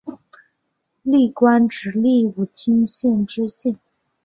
历官直隶武清县知县。